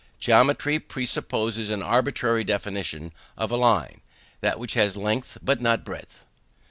Geometry presupposes an arbitrary definition of a line, "that which has length but not breadth."